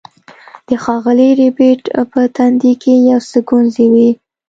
د ښاغلي ربیټ په تندي کې یو څه ګونځې وې